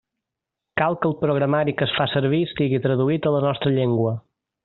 Cal que el programari que es fa servir estigui traduït a la nostra llengua.